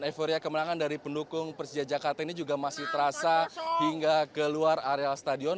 euforia kemenangan dari pendukung persija jakarta ini juga masih terasa hingga keluar areal stadion